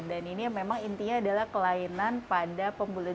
dan ini memang intinya adalah kelainan pada pembuluh